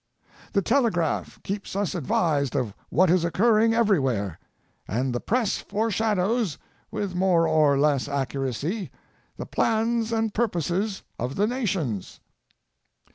The tele graph keeps us advised of what is occurring every where, and the press forshadows, with more or less accuracy, the plans and purposes of the nations.